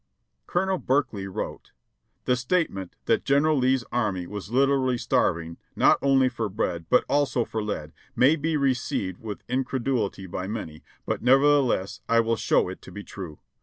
Colonel Berkeley wrote : "The statement that General Lee's army was literally starving, not only for bread, but also for lead, may be received with incred ulity by many, but nevertheless I will show it to be true.